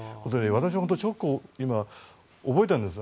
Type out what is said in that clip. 私も本当にショックを覚えたんです。